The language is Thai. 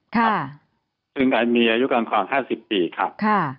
คือมีอายุกลางครอง๕๐ปีครับ